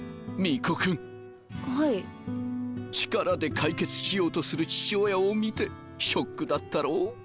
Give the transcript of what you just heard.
力で解決しようとする父親を見てショックだったろう。